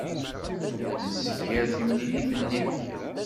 Nsegger timlilit-nni.